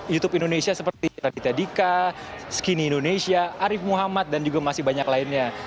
youtube indonesia seperti radita dika skinny indonesia arief muhammad dan juga masih banyak lainnya